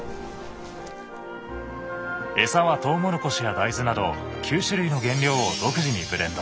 エサはトウモロコシや大豆など９種類の原料を独自にブレンド。